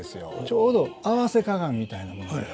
ちょうど合わせ鏡みたいなものに。